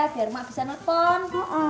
biar emak bisa telepon